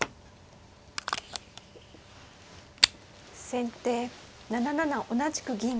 先手７七同じく銀。